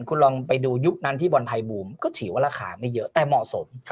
คุณลองไปดูยุคนั้นที่บอลไทยบูมก็ถือว่าราคาไม่เยอะแต่เหมาะสม